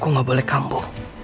gua nggak boleh kambo